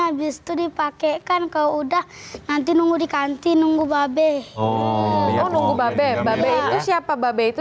habis itu dipakaikan kau udah nanti nunggu diganti nunggu babe oh nunggu babe babe itu siapa babe itu